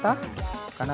masukkan air panas